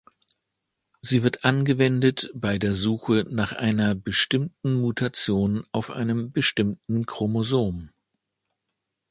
Sie wird angewendet bei der Suche nach einer bestimmten Mutation auf einem bestimmten Chromosom.